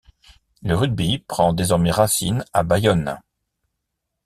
Le rugby prend désormais racine à Bayonne.